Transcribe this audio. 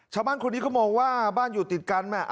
ชาวบ้านคนนี้เขามองว่าบ้านอยู่ติดกัน